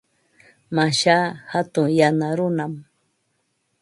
Mashaa hatun yana runam.